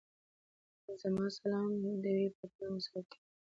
زما سلام دي وې پر ټولو مسافرو.